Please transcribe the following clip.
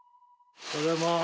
おはようございます。